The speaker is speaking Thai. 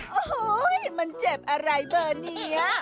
โอ้โหมันเจ็บอะไรเบอร์นี้